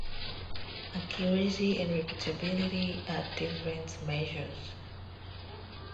Accuracy and repeatability are different measures.